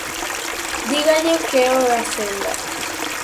¡Dígalle que o acenda!